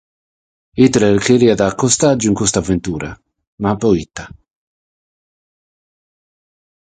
Hitler cheriat a costàgiu in cussa aventura.